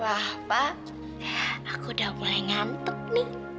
wah pa aku udah mulai ngantuk nih